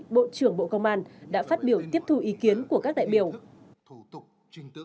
bộ trưởng bộ công an đã phát biểu tiếp thu ý kiến của các đại biểu